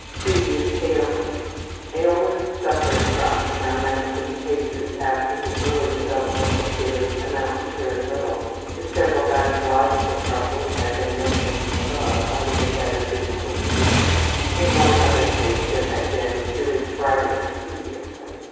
Previous Ailments. Ailments suffered from in our 19 cases after the early developmental period amount to very little. The several gynecological troubles have been mentioned above under the head of Physical Conditions. In one other case there had been urethritis previously.